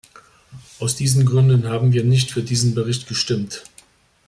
Aus diesen Gründen haben wir nicht für diesen Bericht gestimmt.